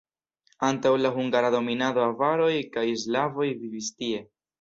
Antaŭ la hungara dominado avaroj kaj slavoj vivis tie.